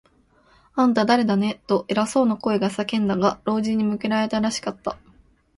「あんた、だれだね？」と、偉そうな声が叫んだが、老人に向けられたらしかった。